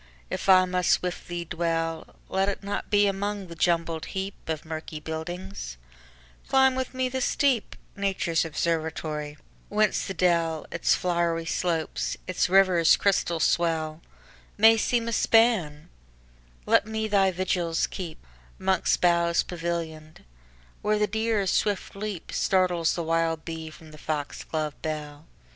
if I must with thee dwell, Let it not be among the jumbled heapOf murky buildings; climb with me the steep,—Nature's observatory—whence the dell, Its flowery slopes, its river's crystal swell, May seem a span; let me thy vigils keep'Mongst boughs pavillion'd, where the deer's swift leapStartles the wild bee from the fox glove bell.